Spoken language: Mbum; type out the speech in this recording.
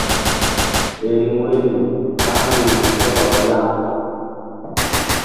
Riŋ woyri ɓa vbi̧ri ko hɔrɔ ya.